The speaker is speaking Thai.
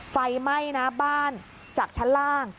ไฟไหม้นะบ้านจากชั้นล่าง